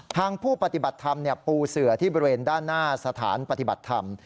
ทางผู้ปฏิบัติธรรมปูเสือที่บริเวณด้านหน้าสถานปฏิบัติธรรม